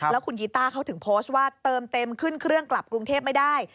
แล้วคุณกีต้าเขาถึงโพสต์ว่าเติมเต็มขึ้นเครื่องกลับกรุงเทพไม่ได้